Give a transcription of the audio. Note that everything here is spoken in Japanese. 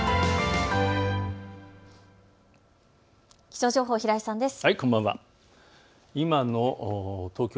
気象情報、平井さんです。